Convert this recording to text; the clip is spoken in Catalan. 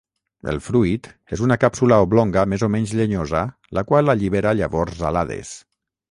El fruit és una càpsula oblonga més o menys llenyosa la qual allibera llavors alades.